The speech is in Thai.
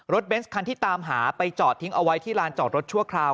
เบนส์คันที่ตามหาไปจอดทิ้งเอาไว้ที่ลานจอดรถชั่วคราว